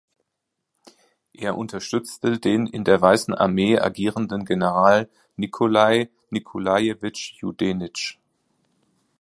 Er unterstützte den in der Weißen Armee agierenden General Nikolai Nikolajewitsch Judenitsch.